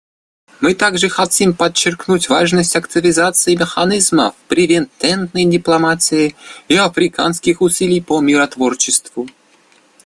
Мы также хотим подчеркнуть важность активизации механизмов превентивной дипломатии и африканских усилий по миротворчеству.